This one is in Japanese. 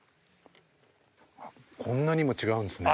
こんなにも違うんですね。